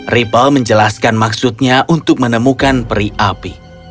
ripel menjelaskan maksudnya untuk menemukan peri api